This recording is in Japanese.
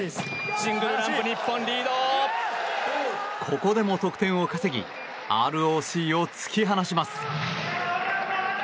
ここでも得点を稼ぎＲＯＣを突き放します。